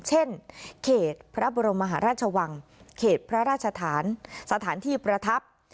เช่นเขตพระบรมมหาราชวังเขตพระราชฐานสถานที่ประทับ